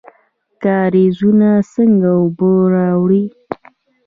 کاریزونه څنګه اوبه راوړي؟